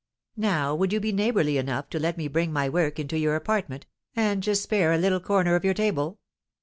Now would you be neighbourly enough to let me bring my work into your apartment, and just spare a little corner of your table?